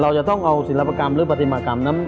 เราจะต้องเอาศิลปกรรมหรือปฏิมากรรมนั้น